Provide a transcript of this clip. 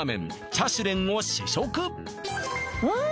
チャシュレンを試食うん！